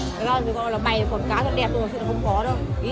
tại sao thì gọi là bày quảng cáo rất đẹp thôi thật sự là không có đâu